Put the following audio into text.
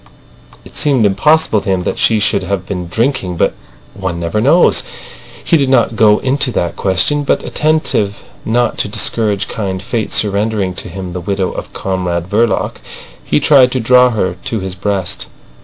It seemed impossible to him that she should have been drinking. But one never knows. He did not go into that question, but attentive not to discourage kind fate surrendering to him the widow of Comrade Verloc, he tried to draw her to his breast.